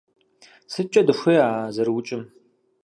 СыткӀэ дыхуей а зэрыукӀым?